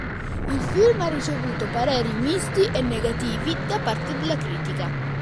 Il film ha ricevuto pareri misti e negativi da parte della critica.